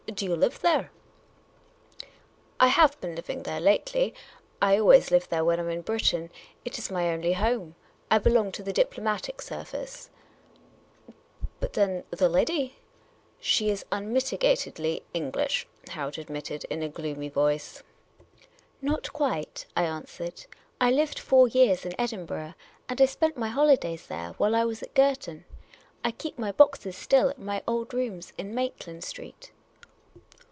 Do 3'ou live there ?"" I have been living there lately. I always live there when I 'm in Britain. It is my only home. I belong to the diplomatic service." " But then— the lady ?"" She is unmitigatedly English," Harold admitted, in a gloomy voice. 3H Miss Caylcy's Adventures " Not quite," I answered. " I lived four years in Edin burgh. And I spent my liolidays there while I was at Girton. I keep my boxes still at my old rooms in Maitland Street."